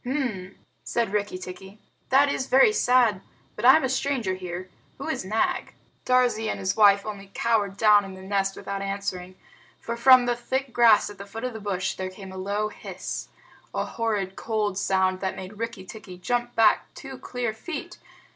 "H'm!" said Rikki tikki, "that is very sad but I am a stranger here. Who is Nag?" Darzee and his wife only cowered down in the nest without answering, for from the thick grass at the foot of the bush there came a low hiss a horrid cold sound that made Rikki tikki jump back two clear feet.